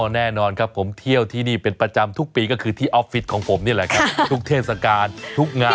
แน่นอนครับผมเที่ยวที่นี่เป็นประจำทุกปีก็คือที่ออฟฟิศของผมนี่แหละครับทุกเทศกาลทุกงาน